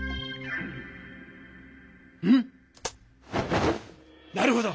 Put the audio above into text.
ん⁉なるほど！